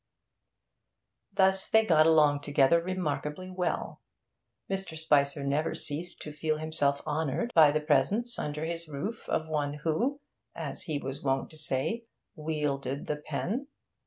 Thus they got along together remarkably well. Mr. Spicer never ceased to feel himself honoured by the presence under his roof of one who as he was wont to say wielded the pen.